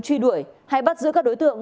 truy đuổi hay bắt giữ các đối tượng